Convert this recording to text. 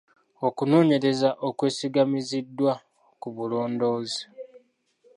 Okunoonyereza okwesigamiziddwa ku bulondoozi